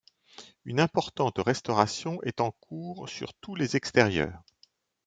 Une importante restauration est en cours sur tous les extérieurs.